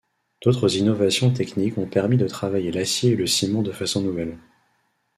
D'autres innovations techniques ont permis de travailler l'acier et le ciment de façons nouvelles.